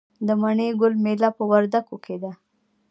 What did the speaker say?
د مڼې ګل میله په وردګو کې ده.